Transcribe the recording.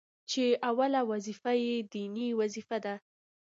چي اوله وظيفه يې ديني وظيفه ده،